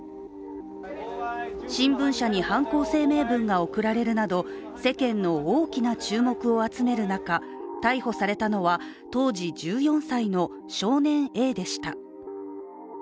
新聞社に犯行声明文が送られるなど、世間の大きな注目を集める中、逮捕されたのは、当時１４歳の少年Ａでした。